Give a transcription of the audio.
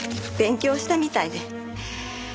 勉強したみたいで。